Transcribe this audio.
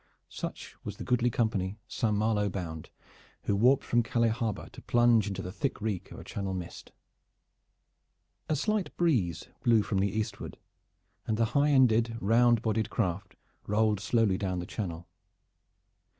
Such was the goodly company Saint Malo bound, who warped from Calais Harbor to plunge into the thick reek of a Channel mist. A slight breeze blew from the eastward, and the highended, round bodied craft rolled slowly down the Channel.